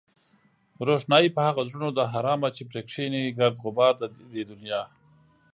روښنايي په هغو زړونو ده حرامه چې پرې کېني گرد غبار د دې دنيا